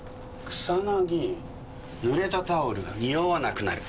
草ぬれたタオルが臭わなくなる。